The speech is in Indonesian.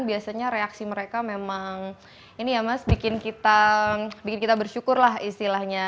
biasanya reaksi mereka memang ini ya mas bikin kita bersyukur lah istilahnya